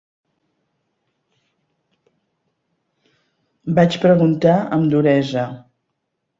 Vaig preguntar amb duresa.